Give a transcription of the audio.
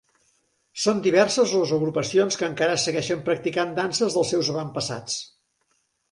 Són diverses les agrupacions que encara segueixen practicant danses dels seus avantpassats.